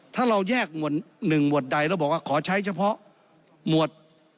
ถ้าเราแยกหมวด๑หมวดใดแล้วบอกว่าขอใช้เฉพาะหมวด